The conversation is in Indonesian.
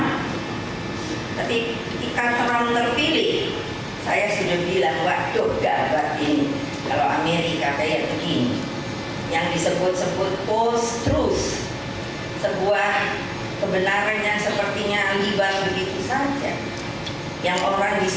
kita lihat di belakang nanti ini terkait dengan